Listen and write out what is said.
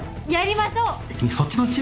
やりましょう！